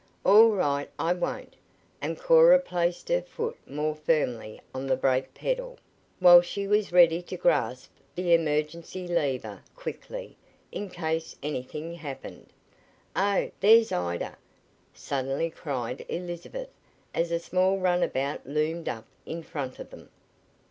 "All right, I won't," and Cora placed her foot more firmly on the brake pedal, while she was ready to grasp the emergency lever quickly, in case anything happened. "Oh, there's Ida!" suddenly cried Elizabeth as a small runabout loomed up in front of them.